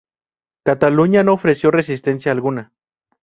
Cataluña no ofreció resistencia alguna.